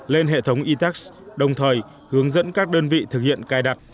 lên hệ thống etex đồng thời hướng dẫn các đơn vị thực hiện cài đặt